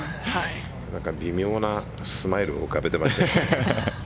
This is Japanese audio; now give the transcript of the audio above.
微妙なスマイルを浮かべてました。